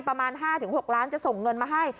ประมาณ๕๖ล้านจะส่งเงินมาให้